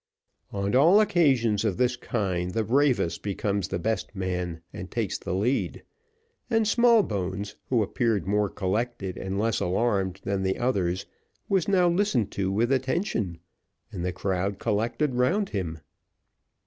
On all occasions of this kind the bravest becomes the best man and takes the lead, and Smallbones, who appeared more collected and less alarmed than the others, was now listened to with attention, and the crowd collected round him.